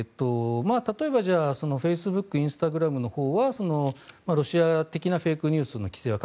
例えば、フェイスブックインスタグラムのほうはロシア的なフェイクニュースの規制は